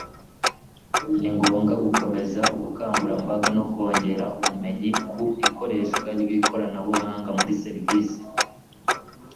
ni ngombwa gukomeza ubukangurambaga no kongera ubumenyi ku ikoreshwa ry'ikoranabuhanga muri serivisi